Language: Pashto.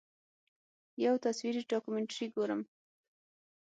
یو تصویري ډاکومنټري ګورم.